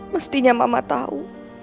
mestinya mama tahu